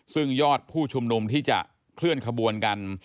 ซึ่งยอดผู้ชุมนุมที่จะเคลื่อนขบวนกัน